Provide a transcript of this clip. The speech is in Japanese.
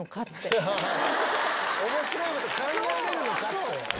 面白いこと考えれるのかって。